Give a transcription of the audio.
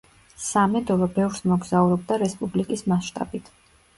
სამედოვა ბევრს მოგზაურობდა რესპუბლიკის მასშტაბით.